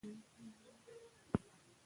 ایا بدن بوی د خوراکي عادتونو سره تړلی دی؟